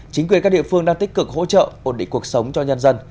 chính quyền các địa phương đang tích cực hỗ trợ ổn định cuộc sống cho nhân dân